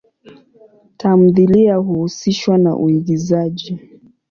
Tamthilia huhusishwa na uigizaji.